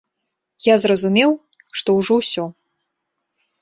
Я зразумеў, што ўжо ўсё.